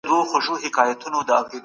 دقيق علمي ميتودونه بايد زده کړو.